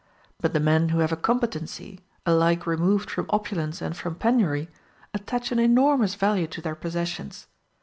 But the men who have a competency, alike removed from opulence and from penury, attach an enormous value to their possessions.